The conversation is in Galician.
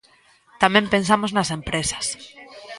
Tamén pensamos nas empresas.